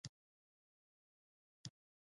هره ټولنیزه پدیده ګڼ عوامل لري.